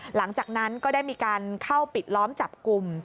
หลังจากนั้นก็ได้มีการเข้าปิดล้อมจับกลุ่ม